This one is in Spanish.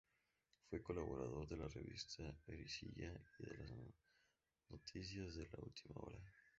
Fue colaborador de la revista "Ercilla" y "Las Noticias de Última Hora".